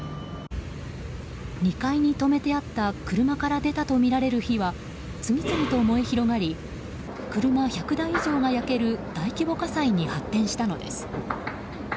２階に止めてあった車から出たとみられる火は次々と燃え広がり車１００台以上が焼ける大規模火災に発展したのです。